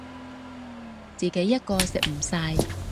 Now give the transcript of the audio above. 自己一個食唔晒